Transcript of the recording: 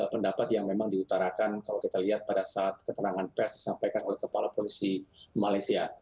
pendapat yang memang diutarakan kalau kita lihat pada saat keterangan pers disampaikan oleh kepala polisi malaysia